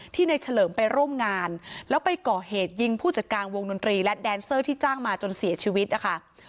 ในเฉลิมไปร่วมงานแล้วไปก่อเหตุยิงผู้จัดการวงดนตรีและแดนเซอร์ที่จ้างมาจนเสียชีวิตนะคะ